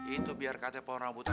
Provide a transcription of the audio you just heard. itu biar ktp pohon rambutan